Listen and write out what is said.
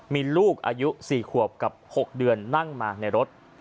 มีลูกอายุ๔ขวบกับ๖เดือนนั่งมาในรถ